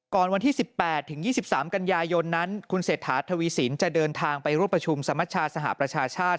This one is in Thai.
วันที่๑๘ถึง๒๓กันยายนนั้นคุณเศรษฐาทวีสินจะเดินทางไปร่วมประชุมสมชาสหประชาชาติ